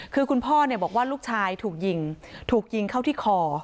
คือคุณพ่อบอกว่าลูกชายถูกยิงถูกยิงเข้าที่คอ